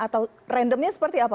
atau randomnya seperti apa